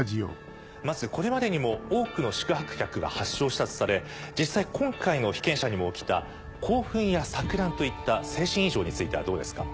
まずこれまでにも多くの宿泊客が発症したとされ実際今回の被験者にも起きた興奮や錯乱といった精神異常についてはどうですか？